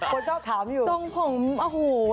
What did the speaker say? คนชอบถามอยู่